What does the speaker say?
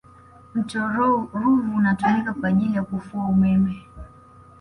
mto ruvu unatumika kwa ajili ya kufua umeme